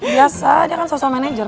biasa dia kan sosok manajer